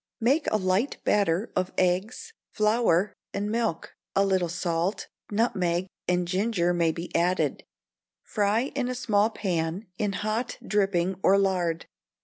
Make a light batter of eggs, flour, and milk; a little salt, nutmeg, and ginger may be added; fry in a small pan, in hot dripping or lard.